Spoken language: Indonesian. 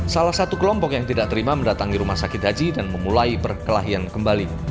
salah satu kelompok yang tidak terima mendatangi rumah sakit haji dan memulai perkelahian kembali